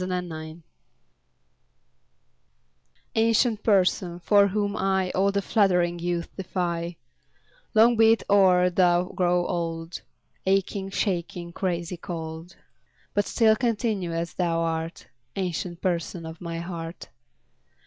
7 Autoplay Ancient Person, for whom I All the flattering youth defy, Long be it e'er thou grow old, Aching, shaking, crazy cold; But still continue as thou art, Ancient Person of my heart.